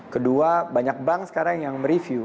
kedua banyak bank sekarang yang mereview